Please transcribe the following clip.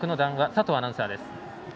佐藤アナウンサーです。